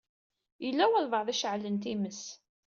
Yella walebɛaḍ i iceɛlen times.